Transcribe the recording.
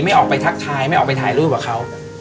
ไม่ออกไปทักทายไม่ออกไปถ่ายรูปกับเขา